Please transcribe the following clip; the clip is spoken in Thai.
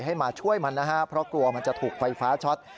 ให้มาช่วยมันนะฮะเพราะกลัวมันจะถูกไฟฟ้าช็อต